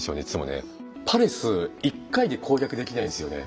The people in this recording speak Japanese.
パレス１回で攻略できないんですよね。